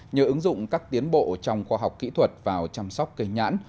nhờ ứng dụng các tiến bộ trong khoa học kỹ thuật vào chăm sóc cây nhãn